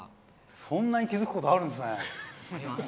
そんなに気付くことあるんですね。あります。